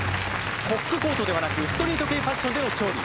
コックコートではなくストリート系ファッションでの調理